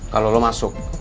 kalau lo masuk